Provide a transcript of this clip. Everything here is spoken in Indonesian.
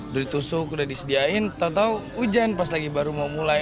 udah ditusuk udah disediain tau tau hujan pas lagi baru mau mulai